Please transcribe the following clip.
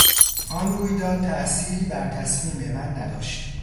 آن رویداد تاثیری بر تصمیم من نداشت.